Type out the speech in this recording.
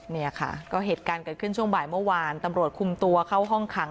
เนี่ยค่ะก็เหตุการณ์เกิดขึ้นช่วงบ่ายเมื่อวานตำรวจคุมตัวเข้าห้องขัง